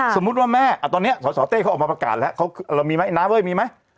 สมมุติว่าแม่ตอนนี้สสเต้เขาออกมาประกาศแล้วมีไหมน้าเว้ยมีไหม